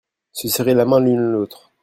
se serrer la main l'une l'autre.